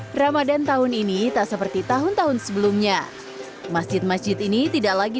hai ramadhan tahun ini tak seperti tahun tahun sebelumnya masjid masjid ini tidak lagi